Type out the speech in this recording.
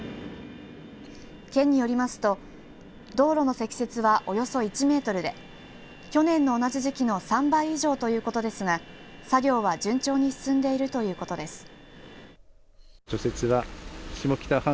県によりますと道路の積雪はおよそ１メートルで去年の同じ時期の３倍以上ということですが作業は順調に進んでいるということです。